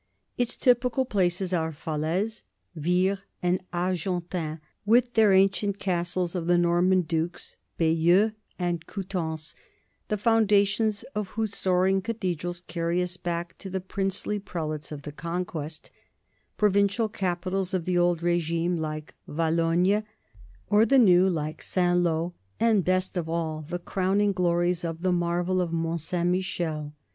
Its typical places are Falaise, Vire, and Argentan, with their ancient castles of the Norman dukes ; Bayeux and Cou tances, the foundations of whose soaring cathedrals carry us back to the princely prelates of the Conquest; provincial capitals of the Old R6gime, like Valognes, or the new, like Saint L6; and best of all, the crowning glories of the marvel of Mont Saint Michel.